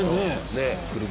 ねえ！